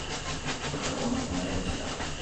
Gaur egun Hendaian bizi da.